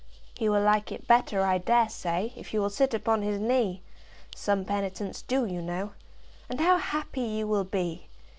"He will like it better, I dare say, if you will sit upon his knee. Some penitents do, you know. And how happy you will be!